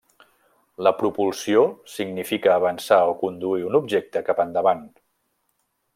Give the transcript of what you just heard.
La propulsió significa avançar o conduir un objecte cap endavant.